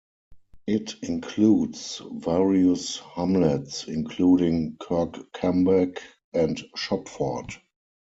It includes various hamlets including Kirkcambeck and Shopford.